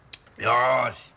よし。